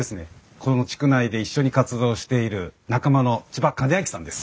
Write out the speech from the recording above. この地区内で一緒に活動している仲間の千葉周秋さんです。